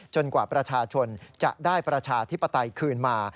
กว่าประชาชนจะได้ประชาธิปไตยคืนมา